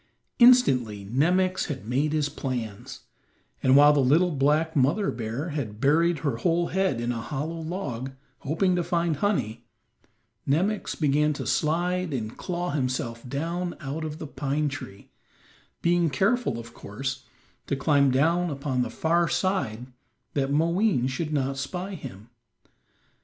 Instantly Nemox had made his plans, and while the little black mother bear had buried her whole head in a hollow log, hoping to find honey, Nemox began to slide and claw himself down out of the pine tree, being careful, of course, to climb down upon the far side that Moween should not spy him.